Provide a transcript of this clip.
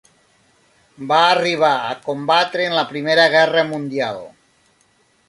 Va arribar a combatre en la Primera Guerra Mundial.